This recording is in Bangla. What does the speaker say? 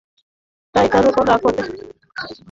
তাই তার উপর রাগ করতে।